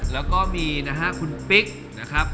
แล้วก็มีนะฮะคุณปิ๊กนะครับ